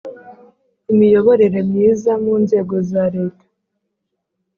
imiyoborere myiza mu nzego za Leta